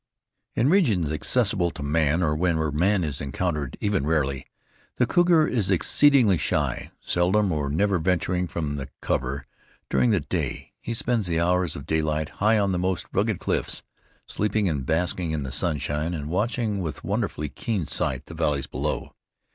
In regions accessible to man, or where man is encountered even rarely, the cougar is exceedingly shy, seldom or never venturing from cover during the day. He spends the hours of daylight high on the most rugged cliffs, sleeping and basking in the sunshine, and watching with wonderfully keen sight the valleys below.